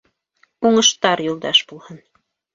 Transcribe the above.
— Уңыштар юлдаш булһын!